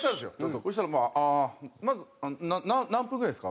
そしたら「ああまず何分ぐらいですか？」